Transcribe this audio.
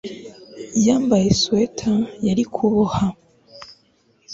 Yambaye swater yari kuboha